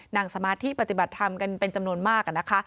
สมาธิปฏิบัติธรรมกันเป็นจำนวนมากนะคะ